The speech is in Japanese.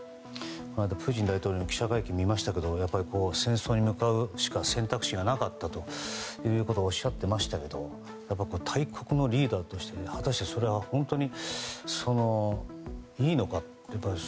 プーチン大統領の記者会見を見ましたけど戦争に向かうしか選択肢がなかったということをおっしゃってましたけど大国のリーダーとして果たしてそれが本当にいいのか。